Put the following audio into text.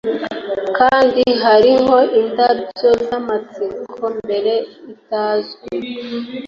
kandi hariho indabyo zamatsiko, mbere itazwi